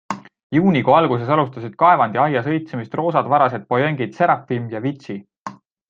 Juunikuu alguses alustasid Kaevandi Aias õitsemist roosad varased pojengid 'Seraphim' ja 'Vitchi'.